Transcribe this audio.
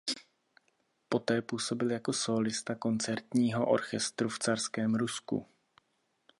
Poté působil jako sólista koncertního orchestru v carském Rusku.